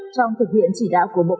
trong thực hiện chỉ đạo của bộ công ty